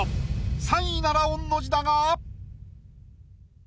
３位なら御の字だが。